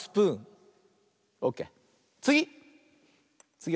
つぎ！